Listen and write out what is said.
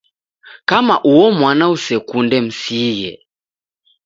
Kama uo mwana usekunde msighe